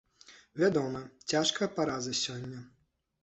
Вядома, цяжкая параза сёння.